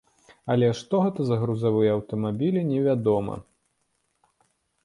Але што гэта за грузавыя аўтамабілі невядома.